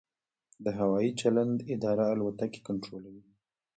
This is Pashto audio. د هوايي چلند اداره الوتکې کنټرولوي؟